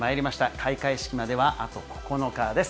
開会式まではあと９日です。